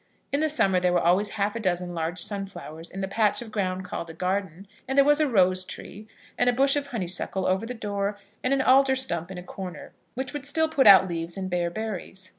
In the summer there were always half a dozen large sunflowers in the patch of ground called a garden, and there was a rose tree, and a bush of honeysuckle over the door, and an alder stump in a corner, which would still put out leaves and bear berries.